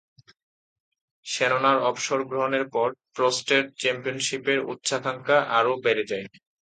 সেননার অবসর গ্রহণের পর প্রোস্টের চ্যাম্পিয়নশীপের উচ্চাকাঙ্ক্ষা আরও বেড়ে যায়।